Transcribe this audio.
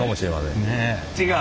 違う？